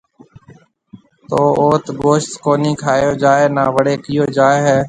تو اوٿ گوشت ڪونِي کائيو جائي نا وڙيَ ڪيو جائي هيَ۔